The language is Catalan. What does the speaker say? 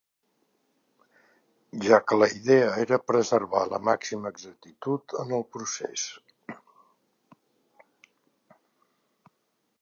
Ja que la idea era preservar la màxima exactitud en el procés.